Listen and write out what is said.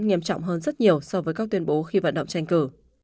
nghiêm trọng hơn rất nhiều so với các tuyên bố khi vận động tranh cử